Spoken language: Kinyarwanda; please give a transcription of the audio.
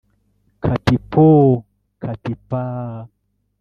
Kati pooo ! kati paaa,